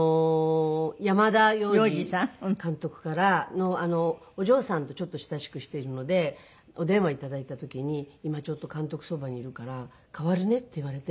山田洋次監督からのお嬢さんとちょっと親しくしているのでお電話頂いた時に「今ちょっと監督そばにいるから代わるね」って言われて。